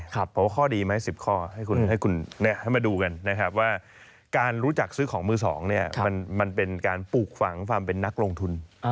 เพราะว่าข้อดีไหม๑๐ข้อให้มาดูกันนะครับว่าการรู้จักซื้อของมือ๒มันเป็นการปลูกฝังความเป็นนักลงทุน